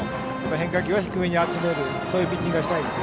変化球は低めに集めるそういうピッチングをしたいです。